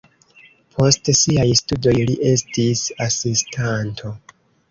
Post siaj studoj li estis asistanto.